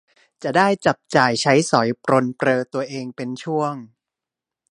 จะได้จับจ่ายใช้สอยปรนเปรอตัวเองเป็นช่วง